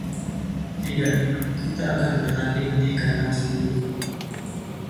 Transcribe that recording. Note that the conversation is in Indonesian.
Tidak, kita akan bertanding di kandang sendiri.